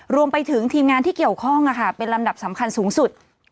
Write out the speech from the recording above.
รวมไปถึงทีมงานที่เกี่ยวข้องเป็นลำดับสำคัญสูงสุด